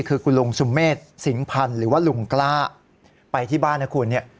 คือคุณลุงสุเมษสิงพันธ์หรือว่าลุงกล้าไปที่บ้านนะคุณเนี่ย